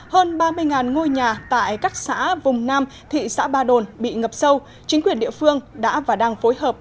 hơn ba mươi ngôi nhà tại các xã vùng nam thị xã ba đồn bị ngập sâu chính quyền địa phương đã và đang phối hợp